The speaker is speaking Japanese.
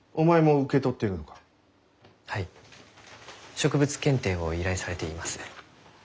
植物検定を依頼されています。